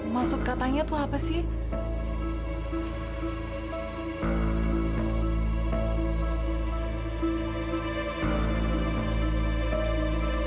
maksud katanya tuh apa sih